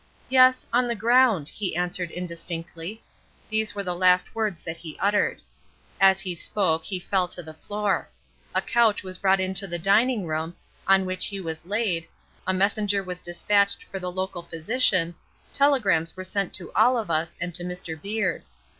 "Yes, on the ground," he answered indistinctly. These were the last words that he uttered. As he spoke, he fell to the floor. A couch was brought into the dining room, on which he was laid, a messenger was dispatched for the local physician, telegrams were sent to all of us and to Mr. Beard.